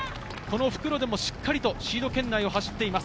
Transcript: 復路でもしっかりとシード圏内を走っています。